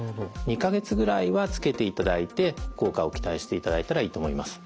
２か月ぐらいは着けていただいて効果を期待していただいたらいいと思います。